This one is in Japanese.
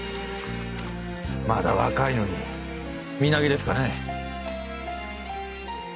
まだ若いのに身投げですかね